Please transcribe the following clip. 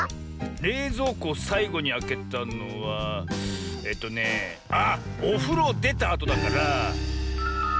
れいぞうこをさいごにあけたのはえっとねあっおふろをでたあとだから。